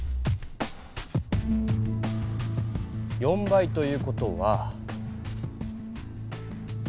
４倍という事は。